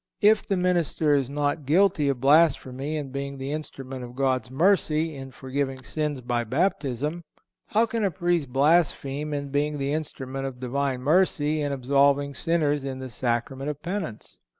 If the minister is not guilty of blasphemy in being the instrument of God's mercy, in forgiving sins by Baptism, how can a Priest blaspheme in being the instrument of Divine mercy, in absolving sinners in the Sacrament of Penance?